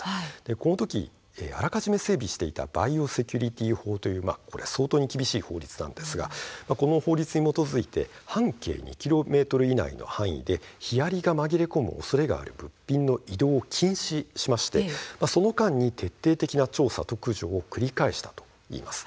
この時、あらかじめ整備していた「バイオセキュリティー法」という結構厳しい法律に基づいて半径２ｋｍ以内の範囲ではヒアリが紛れ込むおそれのある物品の移動を禁止しましてその間に徹底的な調査と駆除を繰り返したといいます。